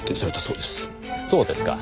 そうですか。